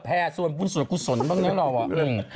แพ้ส่วนบุญส่วนกุศลบ้างเนี่ยเรา